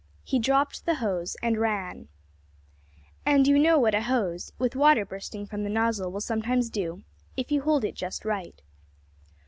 He dropped the hose and ran. And you know what a hose, with water bursting from the nozzle will sometimes do if you don't hold it just right.